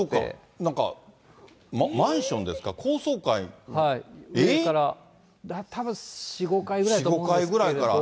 なんかマンションですか、上から、たぶん４、５階ぐらいだと思います。